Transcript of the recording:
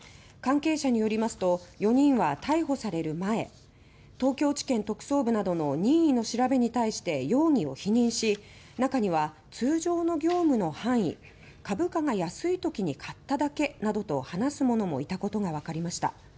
関係者によりますと４人は逮捕される前東京地検特捜部などの任意の調べに対して容疑を否認し、中には「通常の業務の範囲」「株価が安いときに買っただけ」などと話す者もいたことがわかりました。